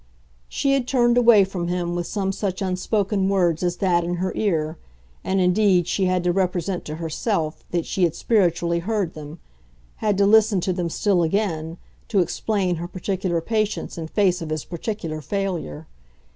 She had turned away from him with some such unspoken words as that in her ear, and indeed she had to represent to herself that she had spiritually heard them, had to listen to them still again, to explain her particular patience in face of his particular failure.